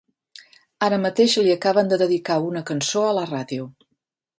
Ara mateix li acaben de dedicar una cançó a la ràdio.